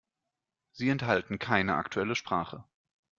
Sie enthalten keine aktuelle Sprache.